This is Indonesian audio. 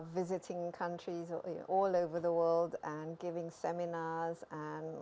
sistem sekolah sekarang mulai mengadakan